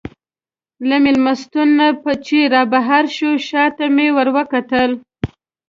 له مېلمستون نه چې رابهر شوو، شا ته مې وروکتل.